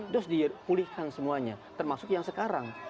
terus dipulihkan semuanya termasuk yang sekarang